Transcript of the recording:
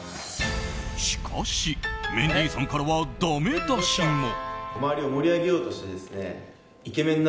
しかし、メンディーさんからはだめ出しも。